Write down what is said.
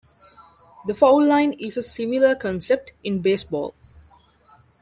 The foul line is a similar concept in baseball.